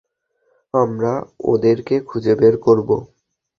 আমরা ওদেরকে খুঁজে বের করবো।